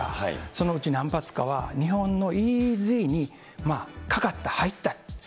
そのうち、何発かは日本のＥＥＺにかかった、入った。